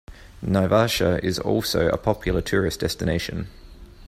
Naivasha is also a popular tourist destination.